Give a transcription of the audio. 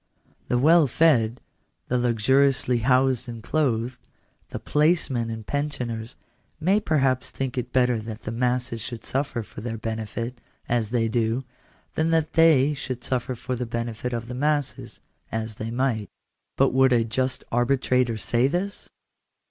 The well fed, the luxuriously housed and clothed, the placemen and pensioners, may perhaps think it better that the masses should suffer for their benefit (as they do) than that they should suffer for the benefit of the masses (as they might). But would a just arbitrator say this